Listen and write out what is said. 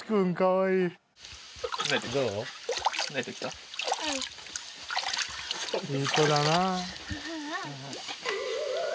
いい子だな。